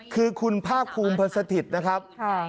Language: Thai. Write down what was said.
คือคุณภาพภูมิผสดิตนะครับ